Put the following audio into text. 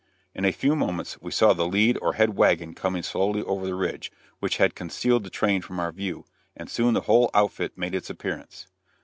In a few moments we saw the lead or head wagon coming slowly over the ridge, which had concealed the train from our view, and soon the whole outfit made its appearance.